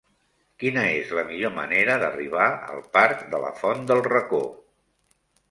Quina és la millor manera d'arribar al parc de la Font del Racó?